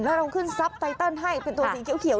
แล้วเราขึ้นซับไตเติลให้เป็นตัวสีเขียว